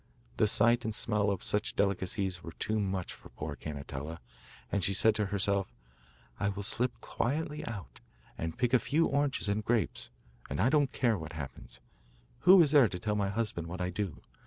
The sight and smell of such delicacies were too much for poor Cannetella, and she said to herself, 'I will slip quietly out, and pick a few oranges and grapes, and I don't care what happens. Who is there to tell my husband what I do?